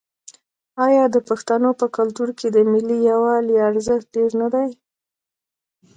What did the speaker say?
آیا د پښتنو په کلتور کې د ملي یووالي ارزښت ډیر نه دی؟